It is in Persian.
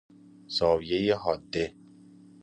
زاویۀ حاده